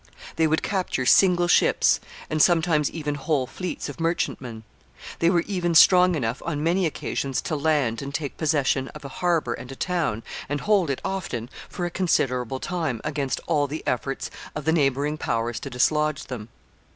They would capture single ships, and sometimes even whole fleets of merchantmen. They were even strong enough on many occasions to land and take possession of a harbor and a town, and hold it, often, for a considerable time, against all the efforts of the neighboring powers to dislodge them.